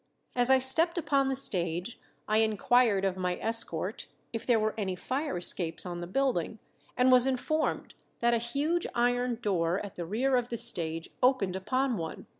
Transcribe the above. As I stepped upon the stage I inquired of my escort if there were any fire escapes on the building, and was informed that a huge iron door at the rear of the stage opened upon one.